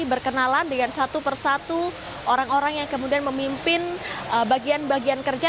berkenalan dengan satu persatu orang orang yang kemudian memimpin bagian bagian kerja